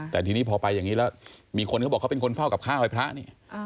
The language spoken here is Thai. แต่ทีนี้พอไปอย่างนี้แล้วมีคนเขาบอกเขาเป็นคนเฝ้ากับข้าวให้พระนี่